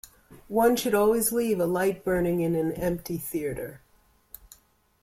One should always leave a light burning in an empty theatre.